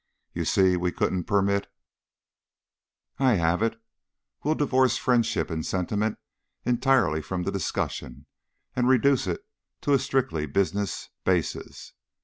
"You see? We couldn't permit " "I have it. We'll divorce friendship and sentiment entirely from the discussion and reduce it to a strictly business basis.